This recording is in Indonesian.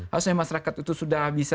harusnya masyarakat itu sudah bisa